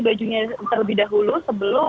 bajunya terlebih dahulu sebelum